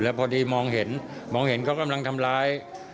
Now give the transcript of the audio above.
แล้วพอดีมองเห็นเขากำลังทำร้าย